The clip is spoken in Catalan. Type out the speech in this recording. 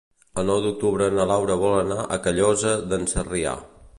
El nou d'octubre na Laura vol anar a Callosa d'en Sarrià.